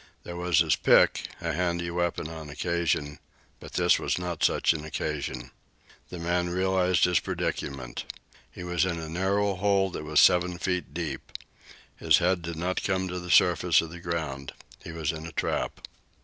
There was his pick, a handy weapon on occasion; but this was not such an occasion. The man realized his predicament. He was in a narrow hole that was seven feet deep. His head did not come to the surface of the ground. He was in a trap.